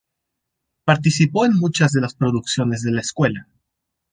Participó en muchas de las producciones de la escuela.